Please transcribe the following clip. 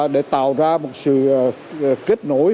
để tạo ra một sự kết nối